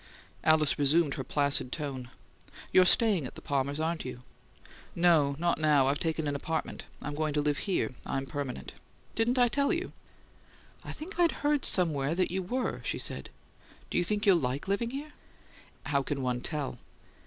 Alice resumed her placid tone. "You're staying at the Palmers', aren't you?" "No, not now. I've taken an apartment. I'm going to live here; I'm permanent. Didn't I tell you?" "I think I'd heard somewhere that you were," she said. "Do you think you'll like living here?" "How can one tell?"